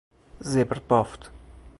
زبر بافت